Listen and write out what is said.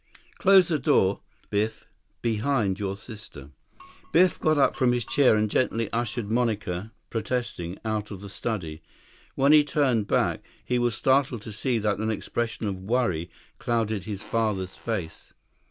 "Close the door, Biff. Behind your sister." Biff got up from his chair and gently ushered Monica, protesting, out of the study. When he turned back, he was startled to see that an expression of worry clouded his father's face.